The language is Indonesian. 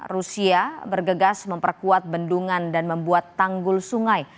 rusia bergegas memperkuat bendungan dan membuat tanggul sungai